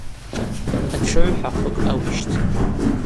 Атшыгӏв хӏахъвыкӏ ауищттӏ.